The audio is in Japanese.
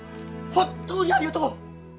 本当にありがとう！